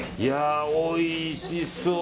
おいしそう！